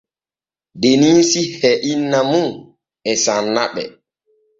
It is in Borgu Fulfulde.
Deniisi e inna mum e sanna ɓe.